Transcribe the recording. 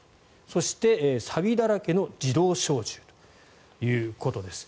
そしてさびだらけの自動小銃ということです。